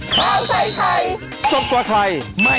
ก็ได้ก็ได้